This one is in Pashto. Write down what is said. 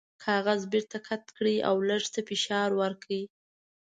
کاغذ بیرته قات کړئ او لږ څه فشار ورکړئ.